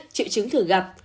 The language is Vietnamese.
hai triệu chứng thử gặp